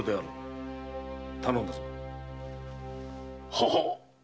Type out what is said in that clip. ははっ。